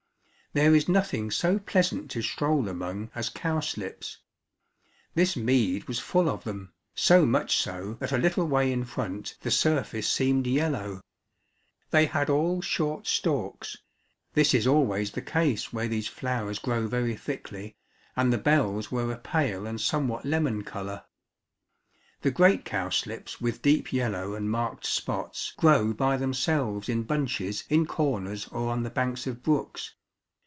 There is nothing so pleasant to stroll among as cowslips. This mead was full of them, so much so that a little way in front the surface seemed yellow. They had all short stalks; this is always the case where these flowers grow very thickly, and the bells were a pale and somewhat lemon colour. The great cowslips with deep yellow and marked spots grow by themselves in bunches in corners or on the banks of brooks.